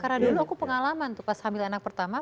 karena dulu aku pengalaman tuh pas hamil anak pertama